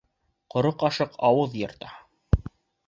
Ҡоро ҡашыҡ ауыҙ йырта.